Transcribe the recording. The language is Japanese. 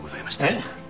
えっ？